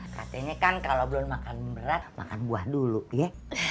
katanya kan kalau belum makan berat makan buah dulu ya